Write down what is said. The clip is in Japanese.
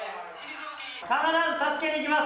必ず助けに行きます。